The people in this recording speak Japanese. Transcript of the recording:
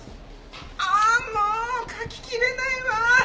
ああもう書ききれないわ！